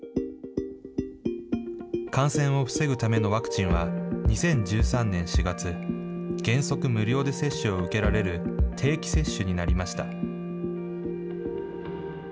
感染を防ぐためのワクチンは２０１３年４月、原則無料で接種を受けられる定期接種になりました。